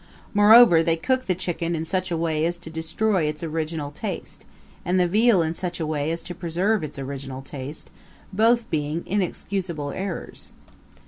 Moreover they cook the chicken in such a way as to destroy its original taste, and the veal in such a way as to preserve its original taste, both being inexcusable errors.